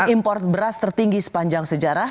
import beras tertinggi sepanjang sejarah